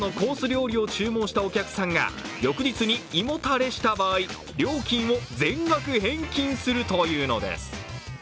料理を注文したお客さんが翌日に胃もたれした場合、料金を全額返金するというのです。